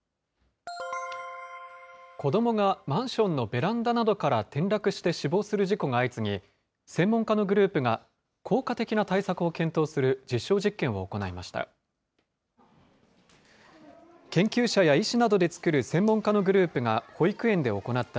子どもがマンションのベランダなどから転落して死亡する事故が相次ぎ、専門家のグループが効果的な対策を検討する実証実験を行いました。